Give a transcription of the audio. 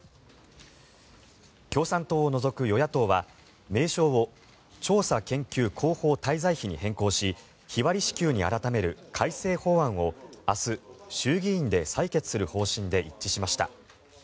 共産党を除く与野党は、名称を調査研究広報滞在費に変更し日割り支給に改める改正法案を明日、衆議院で採決する方針で一致しました。